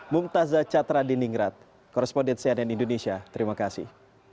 mumtazah catra di ningrat korrespondensi ann indonesia terima kasih